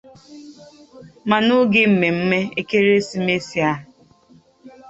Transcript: ma n'oge mmemme ekeresimeesi a